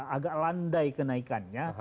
agak landai kenaikannya